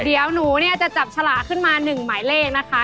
เดี๋ยวหนูเนี่ยจะจับฉลากขึ้นมา๑หมายเลขนะคะ